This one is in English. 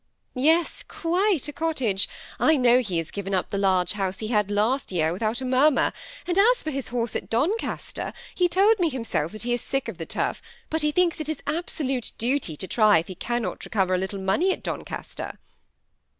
^ Yes, quite a cottage. I know he has given up the large house he had last year without a murmur ; and as for his horse at Doncaster, he told me himself that he is sick of the turf, but he thinks it his absolute duty to try if he cannot recover a little money at Doncaster."